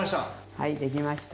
はいできました。